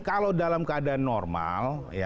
kalau dalam keadaan normal